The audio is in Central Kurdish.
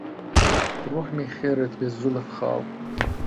روحمی خێرت بێ زولف خاو